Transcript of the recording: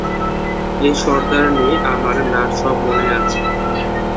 ওই সর্দারনী, আমার না সব মনে আছে।